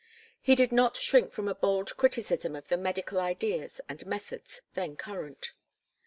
He did not shrink from a bold criticism of the medical ideas and methods then current.